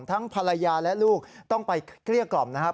ทั้งภรรยาและลูกต้องไปเกลี้ยกล่อมนะครับ